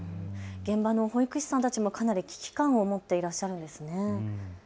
現場の保育士さんたちもかなり危機感を持っていらっしゃるんですね。